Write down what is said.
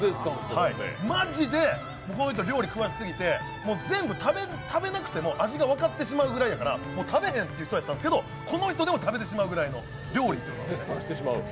マジでこの人、料理詳しすぎて全部食べなくても味が分かってしまうぐらいだから食べへんという人だったんですがこの人でも食べてしまうぐらい料理です。